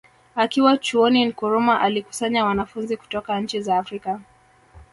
Akiwa Chuoni Nkrumah alikusanya wanafunzi kutoka nchi za Afrika